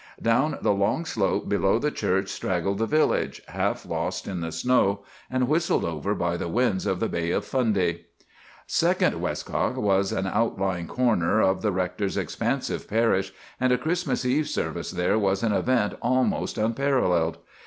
"Down the long slope below the church straggled the village, half lost in the snow, and whistled over by the winds of the Bay of Fundy. "Second Westcock was an outlying corner of the rector's expansive parish, and a Christmas Eve service there was an event almost unparalleled.